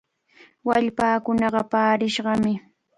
Wallpaakunaqa paarishqami.